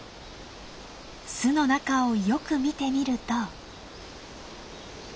巣の中をよく見てみると。